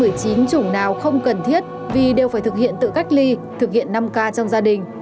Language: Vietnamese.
covid một mươi chín chủng nào không cần thiết vì đều phải thực hiện tự cách ly thực hiện năm k trong gia đình